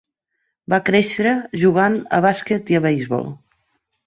Va créixer jugant a bàsquet i a beisbol.